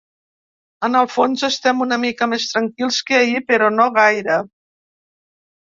En el fons estem una mica més tranquils que ahir, però no gaire.